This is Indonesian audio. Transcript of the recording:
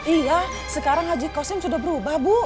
iya sekarang haji kosim sudah berubah bu